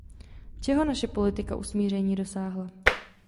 Čeho naše politika usmíření dosáhla?